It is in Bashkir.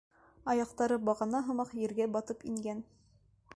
Аяҡтары бағана һымаҡ ергә батып ингән.